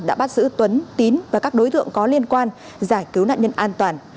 đã bắt giữ tuấn tín và các đối tượng có liên quan giải cứu nạn nhân an toàn